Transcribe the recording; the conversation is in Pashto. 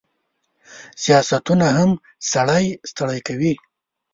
سیاستونه هم سړی ستړی کوي.